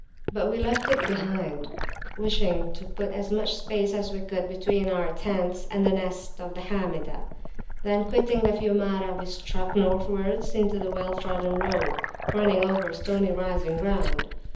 But we left it behind, wishing to put as much space as we could between our tents and the nests of the Hamidah. Then quitting the Fiumara, we struck Northwards into a well trodden road running over stony rising ground.